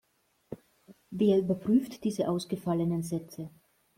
Wer überprüft diese ausgefallenen Sätze?